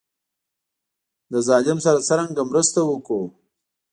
له ظالم سره څرنګه مرسته وکړو.